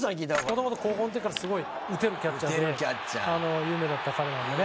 もともと高校の時からすごい打てるキャッチャーで有名だった彼なんでね。